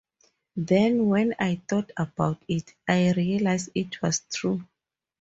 Then when I thought about it, I realized it was true.